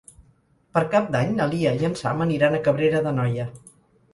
Per Cap d'Any na Lia i en Sam aniran a Cabrera d'Anoia.